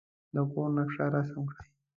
د کور نقشه رسم کړئ.